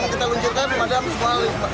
kita unjurkan kebakaran sembilan unit